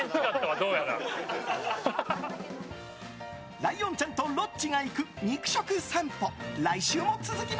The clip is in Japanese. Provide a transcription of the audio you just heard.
ライオンちゃんとロッチが行く肉食さんぽ。